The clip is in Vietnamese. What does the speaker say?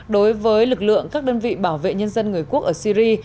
đối với lực lượng các đơn vị bảo vệ nhân dân người quốc ở syri